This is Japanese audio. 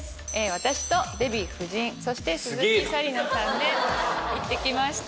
私とデヴィ夫人そして鈴木紗理奈さんで行ってきました。